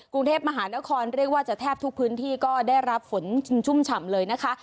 กรุงเทพมหานครเรียกว่าจะแทบทุกพื้นที่ก็ได้รับฝนชุ่มฉ่ำเลยนะคะ